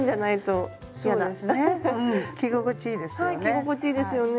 着心地いいですよね。